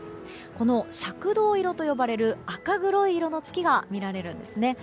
この赤銅色と呼ばれる赤黒い色の月が見られるんですね。